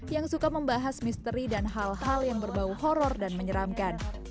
yang suka membahas misteri dan hal hal yang berbau horror dan menyeramkan